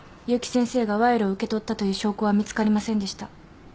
結城先生が賄賂を受け取ったという証拠は見つかりませんでした。